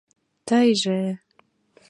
Тыйже...